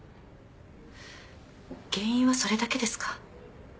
原因はそれだけですか？